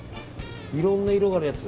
いろんな色のあるやつ。